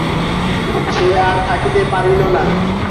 সে আর থাকিতে পারিল না।